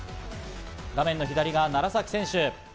画面の左が楢崎選手。